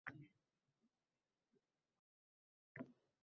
Qadam yettu balo yetmasun!